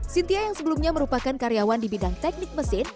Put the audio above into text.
sintia yang sebelumnya merupakan karyawan di bidang teknik mesin